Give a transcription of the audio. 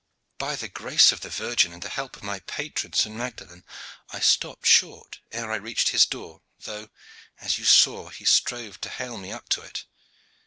By the grace of the Virgin and the help of my patron St. Magdalen, I stopped short ere I reached his door, though, as you saw, he strove to hale me up to it.